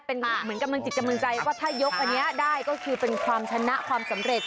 เป็นเหมือนกำลังจิตกำลังใจว่าถ้ายกอันนี้ได้ก็คือเป็นความชนะความสำเร็จ